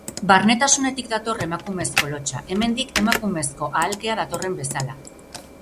Barnetasunetik dator emakumezko lotsa, hemendik emakumezko ahalkea datorren bezala.